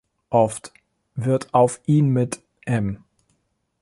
Oft wird auf ihn mit „M.